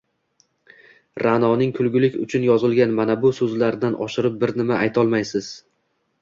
Ra’noning “kulgulik uchun” yozilgan mana bu so’zlaridan oshirib bir nima aytolmaysiz: